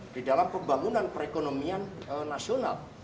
di dalam pembangunan perekonomian nasional